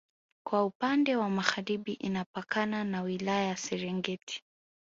Kwa upande wa Magharibi inapakana na wilaya ya serengeti